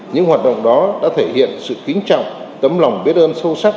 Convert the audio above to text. những hoạt động đó đã thể hiện sự kính trọng tấm lòng biết ơn sâu sắc